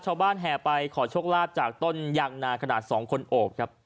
ชาวบ้านแห่ไปขอชบราษฎ์จากต้นยังนาขนาดสองคนโอกครับ